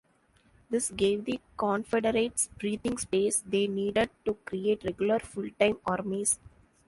This gave the Confederates breathing space they needed to create regular, full-time armies.